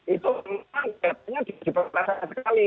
itu memang kayaknya diperasa sekali